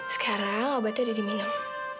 sekarang obatnya udah diminum